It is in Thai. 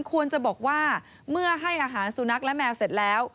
ควรจะบอกว่าเมื่อให้อาหารสุนัขและแมวเสร็จแล้ว